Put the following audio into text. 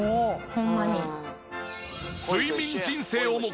ホンマに。